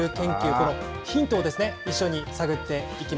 このヒントを一緒に探っていきま